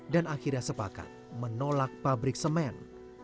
dan akhirnya sepakat menolak pabrik semen